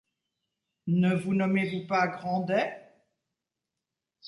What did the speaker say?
Ne vous nommez-vous pas Grandet ?